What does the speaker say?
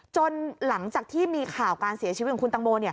จนหลังจากที่มีข่าวการเสียชีวิตของคุณตังโม